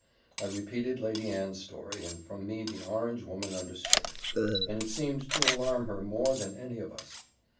I repeated Lady Anne's story, and from me the orange woman understood it; and it seemed to alarm her more than any of us.